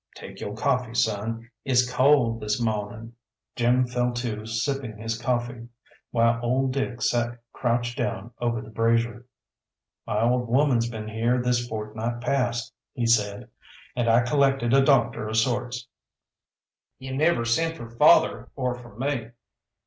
"Take yo' coffee, son. It's cold this mawnin'." Jim fell to sipping his coffee, while old Dick sat crouched down over the brazier. "My old woman's been here this fortnight past," he said, "and I collected a doctor of sorts." "You never sent for father, or for me."